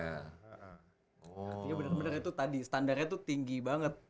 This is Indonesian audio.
artinya bener bener itu tadi standarnya tuh tinggi banget